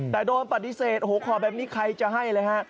แต่โดนปฏิเสธโอ้โหขอแบบนี้ใครจะให้เลยฮะ